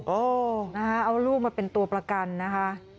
โอ้นะฮะเอารูปมาเป็นตัวประกันนะฮะ